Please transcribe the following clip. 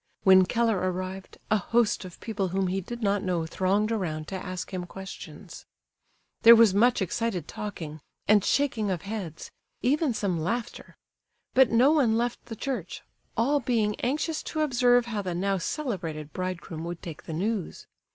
When Keller arrived, a host of people whom he did not know thronged around to ask him questions. There was much excited talking, and shaking of heads, even some laughter; but no one left the church, all being anxious to observe how the now celebrated bridegroom would take the news.